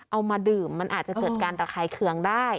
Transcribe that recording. เอามาดื่มมันอาจจะเกิดการระคายเคืองได้